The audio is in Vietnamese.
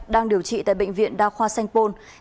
đang điều trị tại bệnh viện đa khoa sanh pôn